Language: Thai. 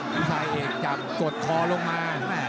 ผู้ชายเอกจับกดคอลงมา